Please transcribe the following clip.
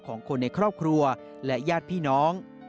ของคนในครอบครัวและญาติพี่น้อง